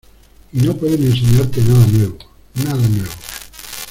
Y no pueden enseñarte nada nuevo, nada nuevo.